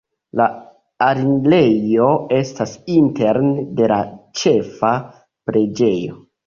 La alirejo estas interne de la ĉefa preĝejo.